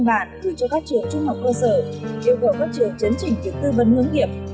sở đã đã đáp cụ cho các trường trung học cơ sở yêu cầu các trường chấn chỉnh việc tư vấn hướng nghiệp